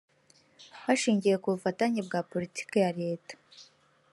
hashingiwe ku bufatanye bwa politiki ya leta